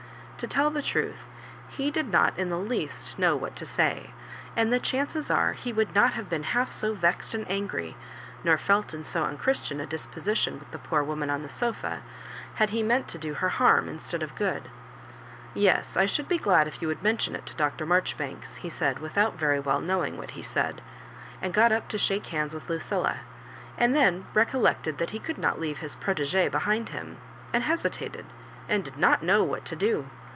To tell the truth, he did not in the least know what to say, and the chances are he would not have been half so vexed and angry, nor felt in so unchristian a liisposition with the poor woman on the sofa, had le meant to do her harm instead of good. " Yes, I should be glad if you would mention it to Dr. Marjoribanks," he said, without very well knowing what he said ; and got up u> shake hands with Lucilla, and then recollected that he could not leave his protegee behind him, and hesitated, and did not know what to do.